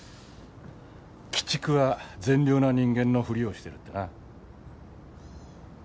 鬼畜は善良な人間のふりをしてるってな。